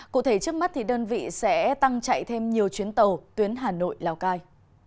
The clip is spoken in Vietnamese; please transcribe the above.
cụ thể trước mắt thì đơn vị sẽ tăng chạy thêm nhiều chuyến tàu tuyến hà nội lào cai